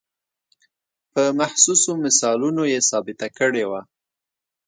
په محسوسو مثالونو یې ثابته کړې وه.